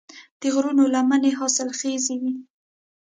د غرونو لمنې حاصلخیزې وي.